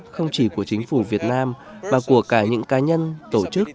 không chỉ của chính phủ việt nam mà của cả những cá nhân tổ chức